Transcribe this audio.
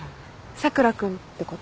佐倉君ってこと？